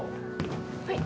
はい。